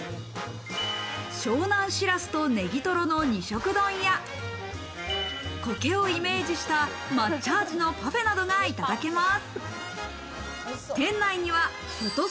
湘南しらすとネギトロの二色丼や、苔をイメージした抹茶味のパフェなどがいただけます。